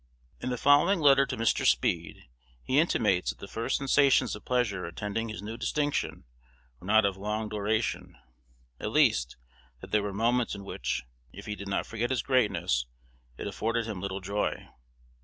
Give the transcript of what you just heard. In the following letter to Mr. Speed, he intimates that the first sensations of pleasure attending his new distinction were not of long duration; at least, that there were moments in which, if he did not forget his greatness, it afforded him little joy.